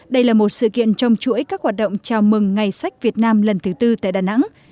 đây là một sự kiện trong chuỗi các hoạt động chào mừng ngày sách việt nam lần thứ tư tại đà nẵng